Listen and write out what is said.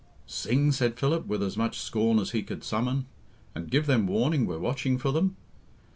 "Sing!" said Philip, with as much scorn as he could summon, "and give them warning we're watching for them!